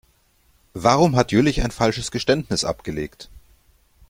Warum hat Jüllich ein falsches Geständnis abgelegt?